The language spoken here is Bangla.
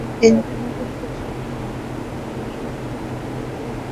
তিনজনই কুষ্টিয়া সরকারি মহিলা কলেজের ব্যবসায় শিক্ষা বিভাগে একাদশ শ্রেণিতে ভর্তি হয়েছে।